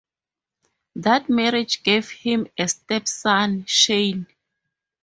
That marriage gave him a stepson, Shane.